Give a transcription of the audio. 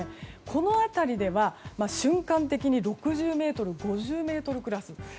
この辺りでは瞬間的に６０メートル５０メートルクラス。